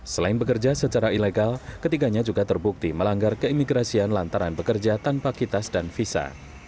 selain bekerja secara ilegal ketiganya juga terbukti melanggar keimigrasian lantaran bekerja tanpa kitas dan visa